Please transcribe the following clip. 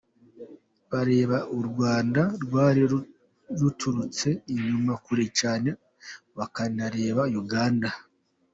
Barebaga U Rwanda rwari ruturutse inyuma kure cyane, bakanareba Uganda.